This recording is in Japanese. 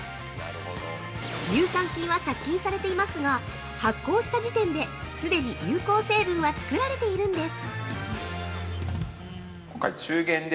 乳酸菌は殺菌されていますが、発酵した時点で、既に有効成分は作られているんです。